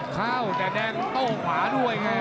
เข้าแต่แดงโต้ขวาด้วยไง